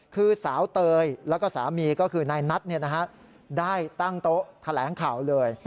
คือสาวเตยแล้วก็สามีก็คือนายนัทได้ตั้งโต๊ะแถลงข่าวเลย